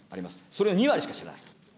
それの２割しか知らない。